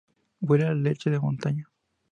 Huele a leche de montaña.